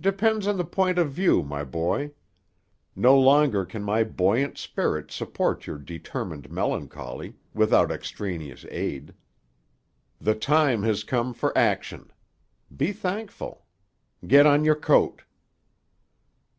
"Depends on the point of view, my boy. No longer can my buoyant spirit support your determined melancholy—without extraneous aid. The time has come for action. Be thankful. Get on your coat."